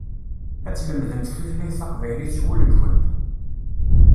Ad tlemdemt tutlayt taqbaylit s wul-nkent.